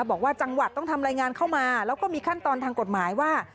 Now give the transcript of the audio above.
บอกว่าจังหวัดต้องทำรายงานเข้ามาแล้วก็มีขั้นตอนทางกฎหมายว่า